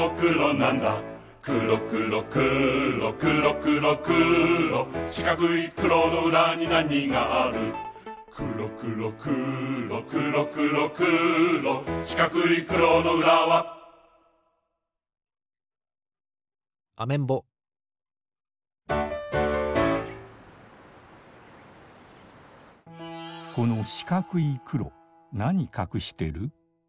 くろくろくろくろくろくろしかくいくろのうらになにがあるくろくろくろくろくろくろしかくいくろのうらはアメンボこのしかくいくろなにかくしてる？